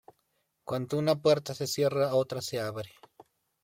Cuando una puerta se cierra, otra se abre